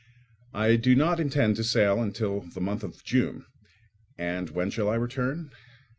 I do not intend to sail until the month of June; and when shall I return?